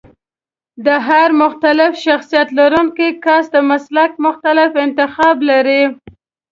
د هر مختلف شخصيت لرونکی کس د مسلک مختلف انتخاب لري.